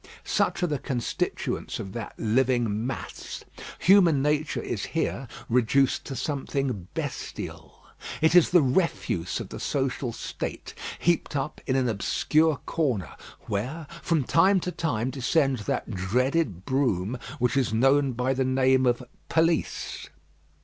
Such are the constituents of that living mass. Human nature is here reduced to something bestial. It is the refuse of the social state, heaped up in an obscure corner, where from time to time descends that dreaded broom which is known by the name of police.